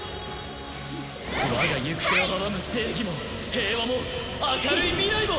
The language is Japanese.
我が行く手を阻む正義も平和も明るい未来も！